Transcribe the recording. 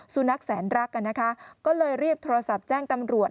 สุนัขแสนรักกันนะคะก็เลยรีบโทรศัพท์แจ้งตำรวจ